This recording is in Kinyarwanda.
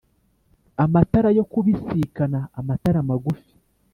Amatara yo kubisikanaAmatara magufi